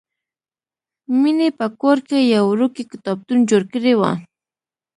مینې په کور کې یو وړوکی کتابتون جوړ کړی و